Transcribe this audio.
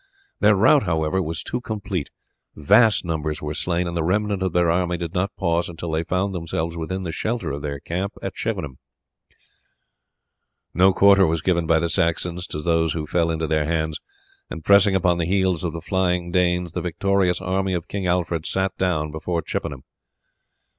Their rout, however, was too complete; vast numbers were slain, and the remnant of their army did not pause until they found themselves within the shelter of their camp at Chippenham. No quarter was given by the Saxons to those who fell into their hands, and pressing upon the heels of the flying Danes the victorious army of King Alfred sat down before Chippenham.